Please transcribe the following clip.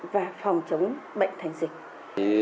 và phòng chống bệnh thành dịch